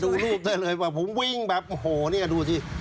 ดูรูปได้เลยว่าผมวิ่งแบบโอ้โหเนี่ยดูสิ